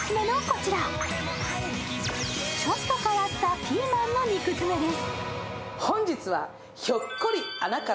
ちょっと変わったピーマンの肉詰めです。